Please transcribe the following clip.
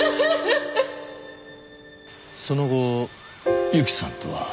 その後侑希さんとは？